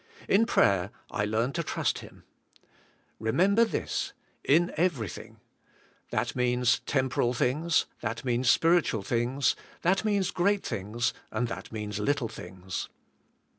In prayer I learn to trust Him. Remember this, "In everything." That means temporal things, that means spiritual things, that means g^eat things and that means little things.